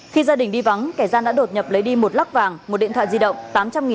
khi gia đình đi vắng kẻ gian đã đột nhập lấy đi một lắc vàng một điện thoại di động